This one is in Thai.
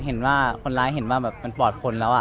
เห็นว่าคนร้ายเห็นว่าแบบมันปอดคนแล้ว